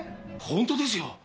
ホントですよ！